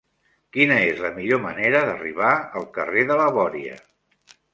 Quina és la millor manera d'arribar al carrer de la Bòria?